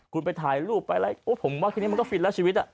คุณไปถ่ายรูปไปอะไรโอ้ผมว่าทีนี้มันก็ฟินแล้วชีวิต